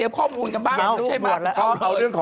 อ๋อประดิษฐ์